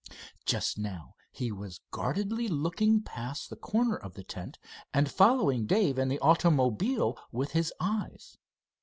Just now he was guardedly looking past the corner of the tent and following Dave and the automobile with his eyes.